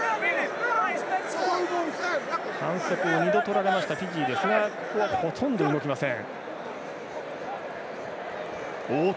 反則を２度とられましたフィジーですがここはほとんど動きません。